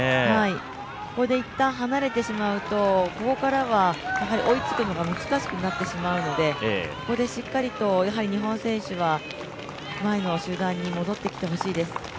ここでいったん離れてしまうとここからは追いつくのが難しくなってしまうので、ここでしっかりと日本選手は前の集団に戻ってきてほしいです